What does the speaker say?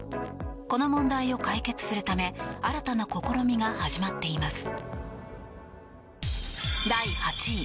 この問題を解決するため新たな試みが始まっています。